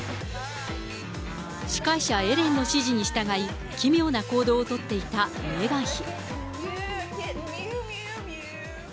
司会者、エレンの指示に従い、奇妙な行動を取っていたメーガン妃。